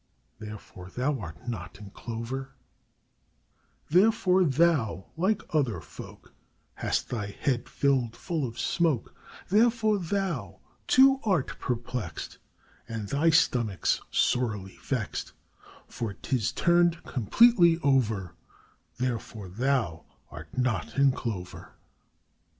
Therefore thou are not in clover, Therefore thou, like other folk, Hast thy head filled full of smoke, Therefore thou, too, art perplexed, And thy stomach's sorely vexed, For 'tis turned completely over; Therefore thou art not in clover.